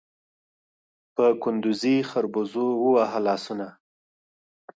په کندوزي خربوزو ووهه لاسونه